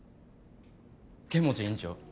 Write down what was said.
剣持院長